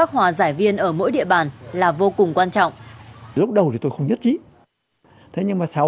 hòa giải viên ở mỗi địa bàn là vô cùng quan trọng